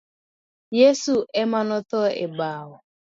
Yeso emanotho e bao.